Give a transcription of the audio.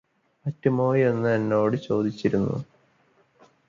പറ്റുമോയെന്നെന്നോട് ചോദിച്ചിരുന്നു